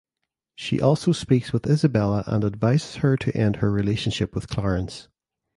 She also speaks with Isabella and advises her to end her relationship with Clarence.